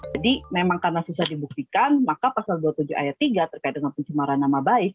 jadi memang karena susah dibuktikan maka pasal dua puluh tujuh ayat tiga terkait dengan pencemaran nama baik